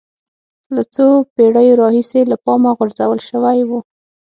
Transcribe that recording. له څو پېړیو راهیسې له پامه غورځول شوی و